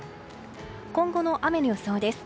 今後の雨の予想です。